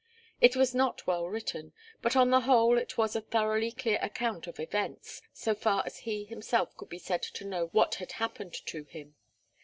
It was not well written, but on the whole it was a thoroughly clear account of events, so far as he himself could be said to know what had happened to him.